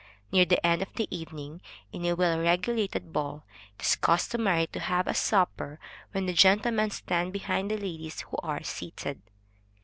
Near the end of the evening, in a well regulated ball, it is customary to have a supper, when the gentlemen stand behind the ladies who are seated.